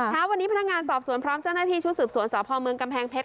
เช้าวันนี้พนักงานสอบสวนพร้อมเจ้าหน้าที่ชุดสืบสวนสพเมืองกำแพงเพชร